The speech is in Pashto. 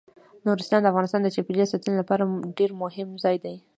نورستان د افغانستان د چاپیریال ساتنې لپاره ډیر مهم ځای دی.